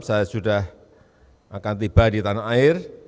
saya sudah akan tiba di tanah air